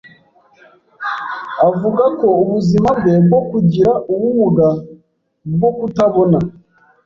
avuga ko ubuzima bwe bwo kugira ubumuga bwo kutabon